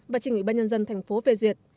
và trình ủy ban nhân dân thành phố phê duyệt